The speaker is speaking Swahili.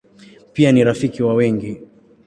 Pia ni rafiki wa wengi.